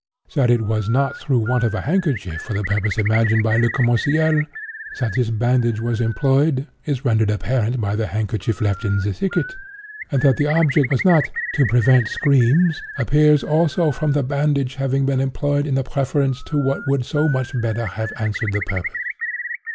That it was not through want of a handkerchief for the purpose imagined by Le Commerciel, that this bandage was employed, is rendered apparent by the handkerchief left in the thicket; and that the object was not 'to prevent screams' appears, also, from the bandage having been employed in preference to what would so much better have answered the purpose.